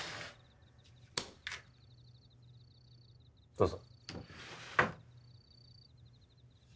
どうぞ。